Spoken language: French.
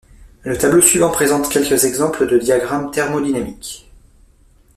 Le tableau suivant présente quelques exemples de diagramme thermodynamiques.